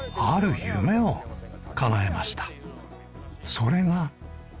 それが。